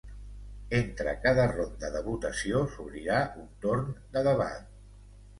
Entre cada ronda de votació s’obrirà un torn de debat.